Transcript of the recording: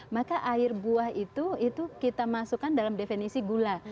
maka air buah itu kita masukkan dalam definisi gula